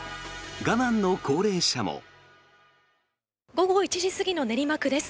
午後１時過ぎの練馬区です。